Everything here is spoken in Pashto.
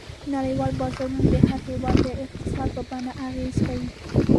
نړیوال بازارونه د هر هېواد د اقتصاد پر بڼه اغېزه کوي.